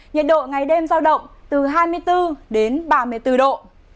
nhiệt độ ngày đêm giao động từ hai mươi bốn đến ba mươi bốn độ